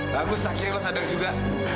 bagus akhirnya lo sadar juga